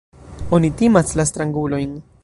Oni timas la strangulojn.